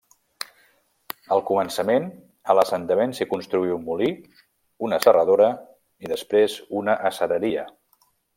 Al començament a l'assentament s'hi construí un molí, una serradora i després una acereria.